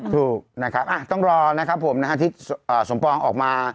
ถูกนะครับต้องรอนะครับผมนะฮะที่สมปองออกมา